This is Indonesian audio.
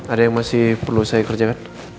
ada yang masih perlu saya kerjakan